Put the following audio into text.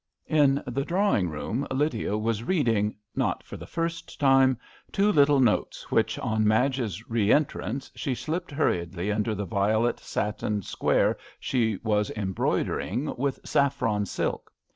In the drawing room Lydia was reading, not for the first time, two little notes, which on Madge's re entrance she slipped hurriedly under the violet satin square she was embroidering with saffron silk.